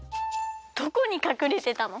どこにかくれてたの？